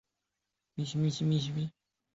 布里蒂阿莱格雷是巴西戈亚斯州的一个市镇。